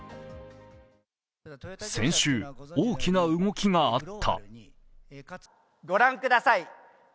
先週、大きな動きがあった。